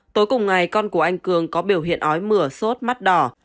tối cùng ngày con của anh cường có biểu hiện ói mửa sốt mắt đỏ